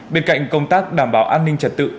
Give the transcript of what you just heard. bên cạnh công tác đảm bảo an ninh trật tự